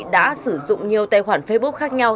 đã sử dụng nhiều tài khoản facebook khác nhau